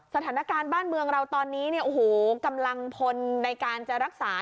สถานการณ์บ้านเมืองเราตอนนี้เนี่ยโอ้โหกำลังพลในการจะรักษา